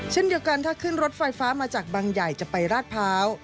เช่นเดียวกันถ้าขึ้นรถไฟฟ้ามาจากบางใหญ่จะไปราชพร้าว